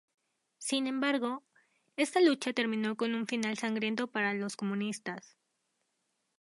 Sin embargo, esta lucha terminó con un final sangriento para los comunistas.